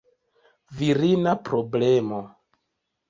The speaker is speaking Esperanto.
Virina problemo!